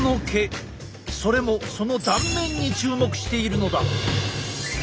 それもその断面に注目しているのだ！